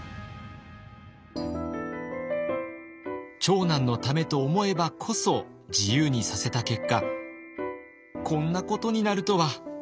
長男のためと思えばこそ自由にさせた結果こんなことになるとは。